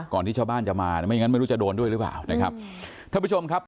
ก่อนที่ชาวบ้านจะมาไม่อย่างนั้นไม่รู้จะโดนด้วยหรือเปล่านะครับ